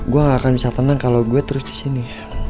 gue gak akan bisa tenang kalau gue terus disini